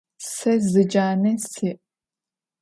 Сэ зы джанэ сиӏ.